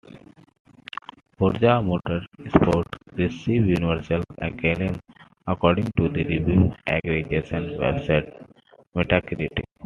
"Forza Motorsport" received "universal acclaim" according to the review aggregation website Metacritic.